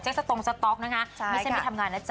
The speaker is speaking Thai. เจ๊ตรงสต๊อกน่ะคะไม่ใช่พี่ทำงานนะจ๊ะ